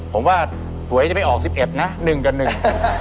ผมว่าถ่วยจะไม่ออก๑๑นะหนึ่งกันหนึ่ง